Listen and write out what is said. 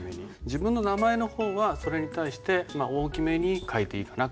自分の名前の方はそれに対して大きめに書いていいかな。